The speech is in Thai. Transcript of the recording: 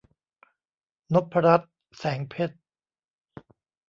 นพรัตน์ แสงเพชร